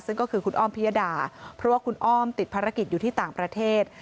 ซึ่งก็คือคุณอ้อมพิยดาเพราะว่าคุณอ้อมติดภารกิจอยู่ที่ต่างประเทศ